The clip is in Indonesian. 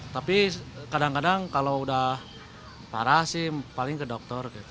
tapi kadang kadang kalau udah parah sih paling ke dokter